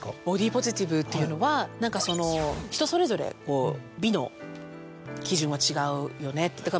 ボディー・ポジティブっていうのは何かその人それぞれ美の基準は違うよねって。